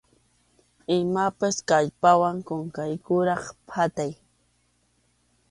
Imapas kallpawan kunkayuqraq phatay.